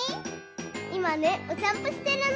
いまねおさんぽしてるの！